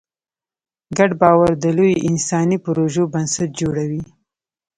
ګډ باور د لویو انساني پروژو بنسټ جوړوي.